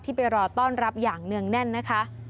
ไปรอต้อนรับอย่างเนื่องแน่นนะคะ